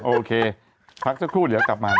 โอเคพักสักครู่เดี๋ยวกลับมา